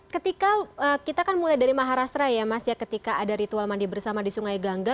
ketika kita kan mulai dari maharastra ya mas ya ketika ada ritual mandi bersama di sungai gangga